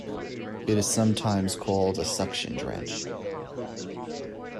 It is sometimes called a suction dredge.